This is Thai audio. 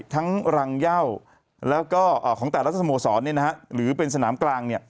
ทั้งรังเย่าแล้วก็ของแต่ละสโมสรหรือเป็นสนามกลาง